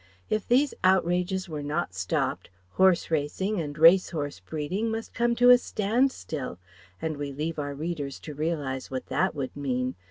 If these outrages were not stopped, horse racing and race horse breeding must come to a stand still; and we leave our readers to realize what that would mean!